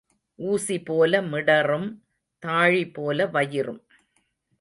ஊசி போல மிடறும் தாழி போல வயிறும்.